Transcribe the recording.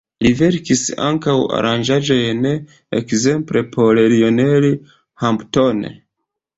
Li verkis ankaŭ aranĝaĵojn ekzemple por Lionel Hampton.